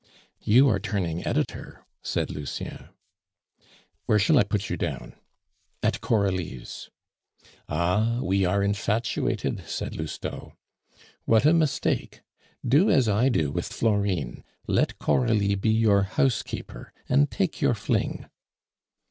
"You are turning editor," said Lucien. "Where shall I put you down?" "At Coralie's." "Ah! we are infatuated," said Lousteau. "What a mistake! Do as I do with Florine, let Coralie be your housekeeper, and take your fling."